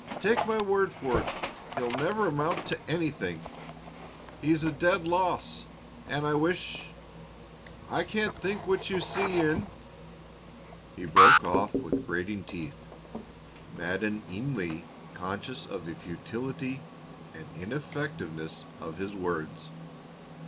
Take my word for it, he'll never amount to anything. He's a dead loss, and I wish I can't think what you see in " He broke off with grating teeth, maddeningly conscious of the futility and ineffectiveness of his words.